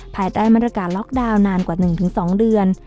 ภายใต้มาตรการล็อกดาวน์นานกว่า๑๒เดือน